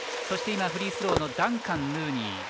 そしてフリースローのダンカン、ムーニー。